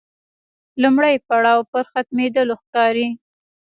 لومړی پړاو پر ختمېدلو ښکاري.